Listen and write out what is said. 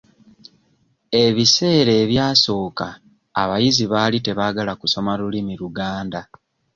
Ebiseera ebyasooka abayizi baali tebaagala kusoma lulimi Luganda.